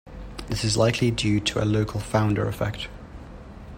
This is likely due to a local founder effect.